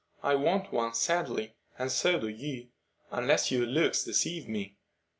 I want one sadly, and so do you, unless your looks deceive me.